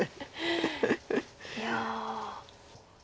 いや。